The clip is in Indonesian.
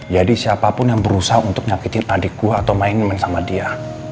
jadi siapapun yang berusaha untuk nyakitin adik gue atau main main sama dia